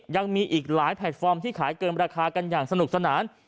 ยังมีอีกหลายแพลตฟอร์มที่ขายเกินราคากันอย่างสนุกสนาน